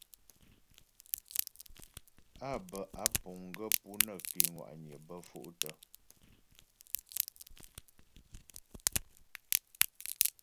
Á bə́ á puŋ gaə́ pú nə́ ké ŋwa'nyə bə́ fôktə.